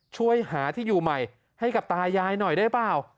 ช่วยหาที่อยู่ใหม่ให้กับตายายหน่อยได้เปล่า